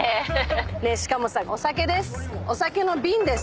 しかもさお酒です。